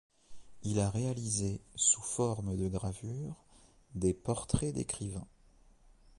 Il a réalisé sous forme de gravures des portraits d'écrivains.